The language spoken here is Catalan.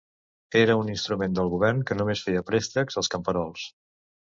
Era un instrument del govern que només feia préstecs als camperols.